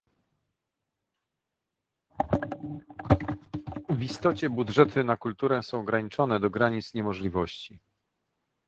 W istocie budżety na kulturę są ograniczane do granic niemożliwości